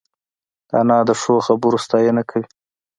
انا د ښو خبرو ستاینه کوي